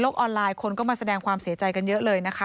ออนไลน์คนก็มาแสดงความเสียใจกันเยอะเลยนะคะ